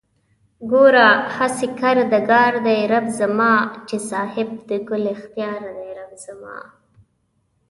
گوره هسې کردگار دئ رب زما چې صاحب د کُل اختيار دئ رب زما